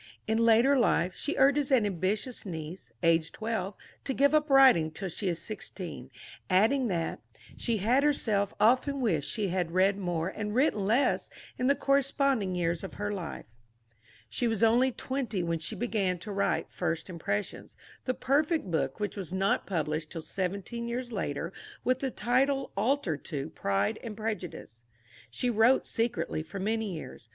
In later life, she urges an ambitious niece, aged twelve, to give up writing till she is sixteen, adding that "she had herself often wished she had read more and written less in the corresponding years of her life." She was only twenty when she began to write First Impressions, the perfect book which was not published till seventeen years later with the title altered to Pride and Prejudice. She wrote secretly for many years.